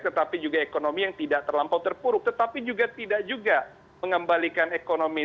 tetapi juga ekonomi yang tidak terlampau terpuruk tetapi juga tidak juga mengembalikan ekonomi